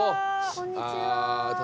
こんにちは。